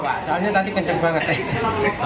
soalnya tadi kencang banget ya